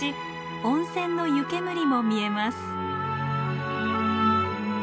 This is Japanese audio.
温泉の湯煙も見えます。